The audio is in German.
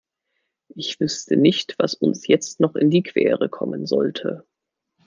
Ich wüsste nicht, was uns jetzt noch in die Quere kommen sollte.